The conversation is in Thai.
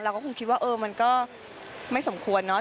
เราก็คงคิดว่าเออมันก็ไม่สมควรเนอะ